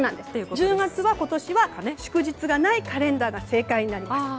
１０月は今年は祝日がないカレンダーが正解になります。